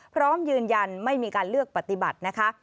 พร้อมยืนยันไม่มีการเลือกปฏิบัตินะคะ